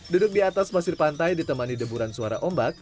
duduk di atas pasir pantai ditemani deburan suara ombak